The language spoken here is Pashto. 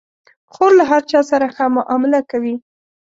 خور له هر چا سره ښه معامله کوي.